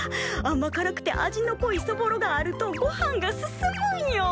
あまからくて味のこいそぼろがあるとごはんが進むんよ。